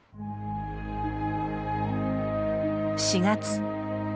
４月。